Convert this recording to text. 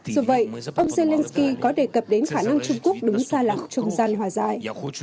dù vậy ông zelenskyy có đề cập đến khả năng trung quốc đứng xa lạc trùng gian hòa giải